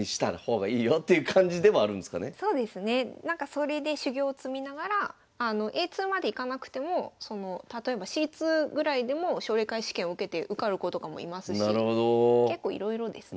それで修業を積みながらＡ２までいかなくても例えばＣ２ぐらいでも奨励会試験を受けて受かる子とかもいますし結構いろいろですね。